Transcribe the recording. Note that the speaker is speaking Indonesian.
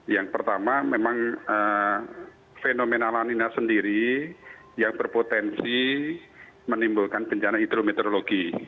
yang pertama memang fenomena lanina sendiri yang berpotensi menimbulkan bencana hidrometeorologi